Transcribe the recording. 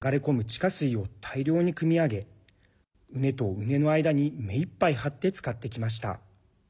この地域の伝統的な農業では湖に流れ込む地下水を大量にくみ上げ畝と畝の間に目いっぱい張って使ってきました。